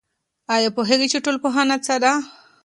آيا پوهېږئ چي ټولنپوهنه څه ده؟